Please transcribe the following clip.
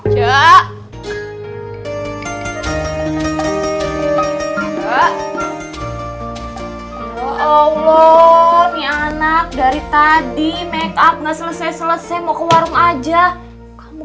allah ini anak dari tadi make up nggak selesai selesai mau ke warung aja kamu